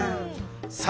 さあ